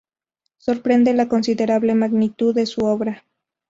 Sorprende la considerable magnitud de su obra.